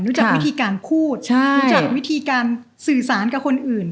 จากวิธีการพูดรู้จักวิธีการสื่อสารกับคนอื่น